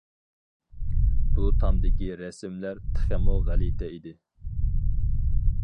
بۇ تامدىكى رەسىملەر تېخىمۇ غەلىتە ئىدى.